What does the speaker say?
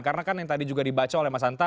karena kan yang tadi juga dibaca oleh mas anta